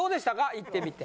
行ってみて。